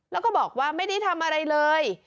แล้วก็บอกว่าไม่ได้ทำอะไรเลย